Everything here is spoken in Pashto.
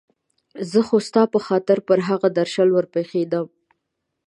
زه خو ستا په خاطر پر هغه درشل ور پېښېدم.